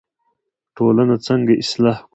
ټولنه څنګه اصلاح کړو؟